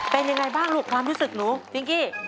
เป็นยังไงบ้างลูกความรู้สึกหนูพิงกี้